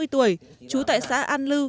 sáu mươi tuổi chú tại xã an lư